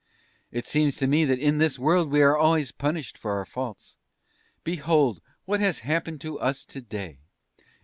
It seems to me that in this world we are always punished for our faults. Behold, what has happened to us to day!